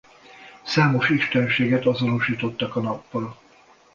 Számos istenséget azonosítottak a Nappal.